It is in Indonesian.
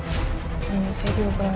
saya juga mau tahu pak